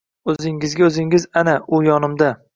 O‘zingizga-o‘zingiz ana, u yonimda